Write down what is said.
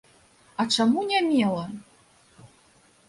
А чаму не мела?